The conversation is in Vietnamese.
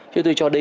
thế tôi cho đây là